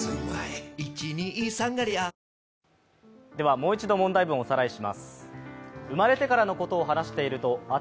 もう一度問題文をおさらいします。